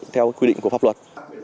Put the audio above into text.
theo quy định của pháp luật